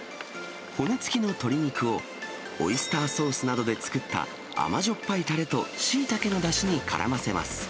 骨付きの鶏肉をオイスターソースなどで作った甘じょっぱいたれとシイタケのだしにからませます。